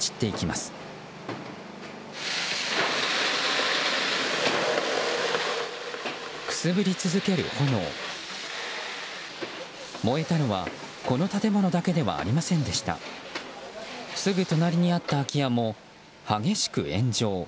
すぐ隣にあった空き家も激しく炎上。